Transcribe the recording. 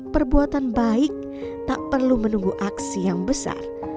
perbuatan baik tak perlu menunggu aksi yang besar